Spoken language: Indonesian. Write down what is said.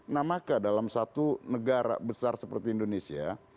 nah maka dalam satu negara besar seperti indonesia